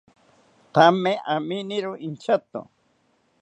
Thame aminiro inchato